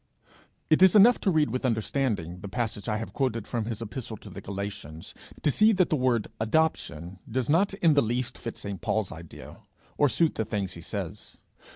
It is enough to read with understanding the passage I have quoted from his epistle to the Galatians, to see that the word adoption does not in the least fit St. Paul's idea, or suit the things he says.